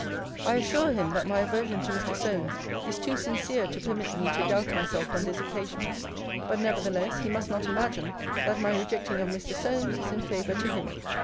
'I assure him, that my aversion to Mr. Solmes is too sincere to permit me to doubt myself on this occasion. But, nevertheless, he must not imagine, that my rejecting of Mr. Solmes is in favour to him.